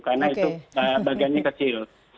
karena itu bagiannya kecil